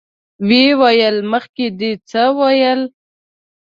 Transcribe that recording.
ويې ويل: مخکې دې څه ويل؟